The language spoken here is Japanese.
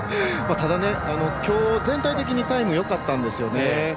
ただ、きょう全体的にタイムよかったんですよね。